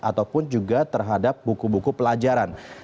ataupun juga terhadap buku buku pelajaran